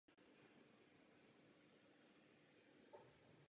To mne přivádí k otázce dehtových písků a ropných břidlic.